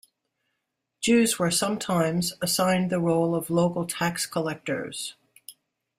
Jews were sometimes assigned the role of local tax collectors.